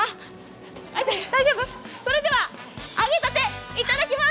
それでは揚げたていただきます。